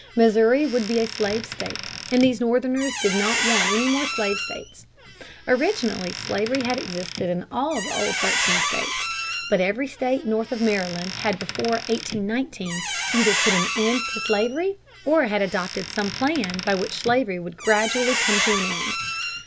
Missouri would be a slave state, and these Northerners did not want any more slave states. Originally slavery had existed in all the old thirteen states. But every state north of Maryland had before 1819 either put an end to slavery or had adopted some plan by which slavery would gradually come to an end.